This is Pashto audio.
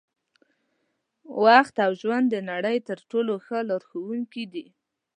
وخت او ژوند د نړۍ تر ټولو ښه لارښوونکي دي.